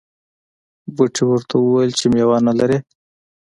بوټي ورته وویل چې میوه نه لرې.